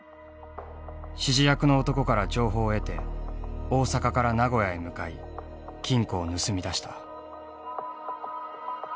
指示役の男から情報を得て大阪から名古屋へ向かい金庫を盗み出した。